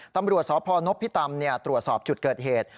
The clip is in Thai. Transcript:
ตำรวจสพนพิตำตรวจสอบจุดเกิดเหตุ